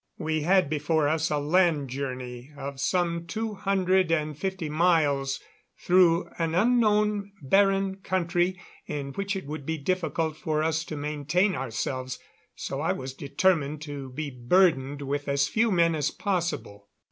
We had before us a land journey of some two hundred and fifty miles, through an unknown, barren country, in which it would be difficult for us to maintain ourselves, so I was determined to be burdened with as few men as possible.